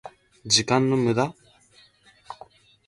時間の無駄？